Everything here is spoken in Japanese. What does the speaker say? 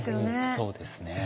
そうですね。